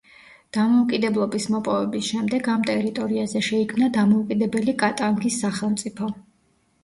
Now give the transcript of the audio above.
დამოუკიდებლობის მოპოვების შემდეგ ამ ტერიტორიაზე შეიქმნა დამოუკიდებელი კატანგის სახელმწიფო.